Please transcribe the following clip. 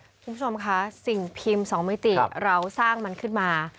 คุณผู้ชมคะสิ่งพิมพ์สองมิติเราสร้างมันขึ้นมา